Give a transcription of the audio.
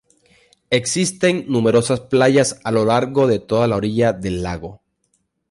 Existen numerosas playas a lo largo de toda la orilla del lago.